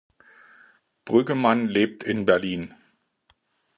Brüggemann lebt in Berlin.